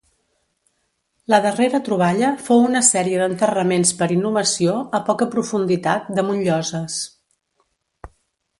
La darrera troballa fou una sèrie d'enterraments per inhumació a poca profunditat damunt lloses.